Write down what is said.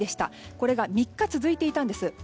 これが３日続いていたんです。